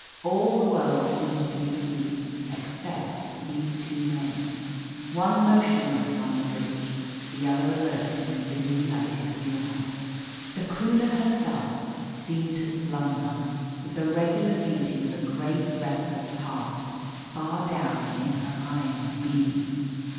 All the world seemed to be asleep except these two men one motionless on the bridge, the other alert in the dimly lighted wheelhouse. The Croonah herself seemed to slumber with the regular beating of a great restless heart far down in her iron being.